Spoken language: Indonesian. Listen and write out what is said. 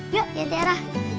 yuk ya tiara